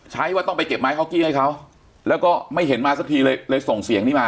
ว่าต้องไปเก็บไม้เขากี้ให้เขาแล้วก็ไม่เห็นมาสักทีเลยเลยส่งเสียงนี้มา